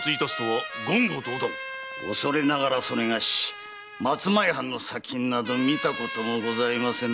恐れながらそれがし松前藩の砂金など見たこともございませぬ。